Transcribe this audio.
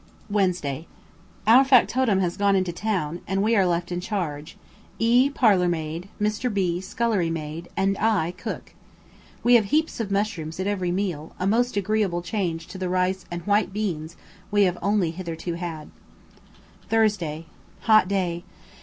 Wednesday. Our factotum has gone into town, and we are left in charge, E parlour maid, Mr. B scullery man, and I cook. We have heaps of mushrooms at every meal, a most agreeable change to the rice and white beans we have only hitherto had. Thursday. Hot day.